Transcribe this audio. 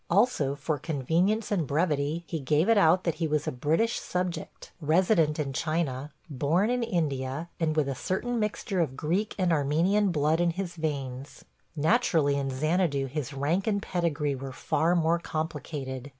Also for convenience and brevity he gave it out that he was a British subject, resident in China, born in India, and with a certain mixture of Greek and Armenian blood in his veins; naturally in Xanadu his rank and pedigree were far more complicated.